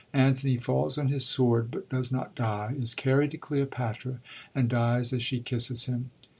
Antony falls on his sword, but does not die, is carried to Cleopatra, and dies as she kisses him.